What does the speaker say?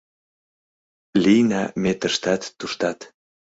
«Лийна ме тыштат-туштат